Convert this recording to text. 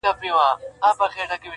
تاو یې دی له سره خو حریر خبري نه کوي.